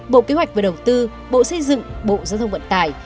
bộ kế hoạch và đầu tư bộ xây dựng bộ giao thông vận tải